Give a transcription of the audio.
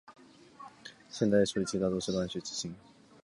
现代处理器大都是乱序执行。